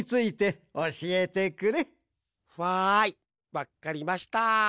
わっかりました。